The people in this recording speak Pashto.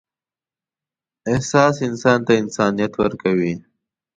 احساس انسان ته انسانیت ورکوي.